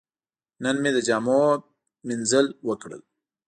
نن مې د جامو مینځل وکړل.